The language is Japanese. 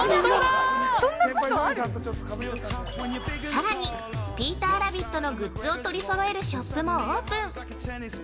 ◆さらに、ピーターラビットのグッズを取りそろえるショップもオープン！